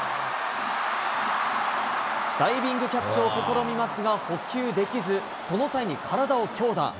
ダイビングキャッチを試みますが、捕球できず、その際に体を強打。